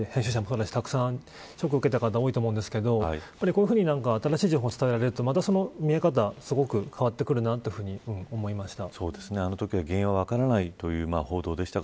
もちろんファンもそうですし編集者もそうだし、たくさんショックを受けた方多いと思うんですけどこういうふうに新しい情報が伝えられるとまたその見え方がすごく変わってくるなと思いました。